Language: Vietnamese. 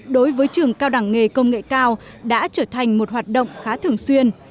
đối với trường cao đẳng nghề công nghệ cao đã trở thành một hoạt động khá thường xuyên